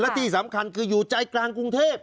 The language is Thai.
และที่สำคัญคืออยู่ใจกลางกรุงเทพ